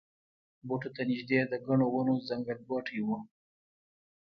بوټو ته نږدې د ګڼو ونو ځنګلګوټی و.